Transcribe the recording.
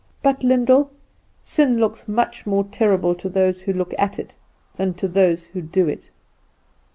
But, Lyndall, sin looks much more terrible to those who look at it than to those who do it.